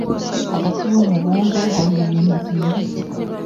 Hagati yumubumbe haribintu byimbitse